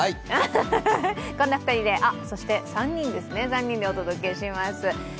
こんな２人で３人ですね３人でお届けします。